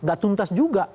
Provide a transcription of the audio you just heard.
enggak tuntas juga